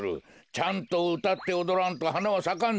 ちゃんとうたっておどらんとはなはさかんぞ。